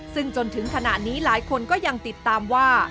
ซึ่งจนถึงขณะนี้หลายคนก็ยังติดตามว่า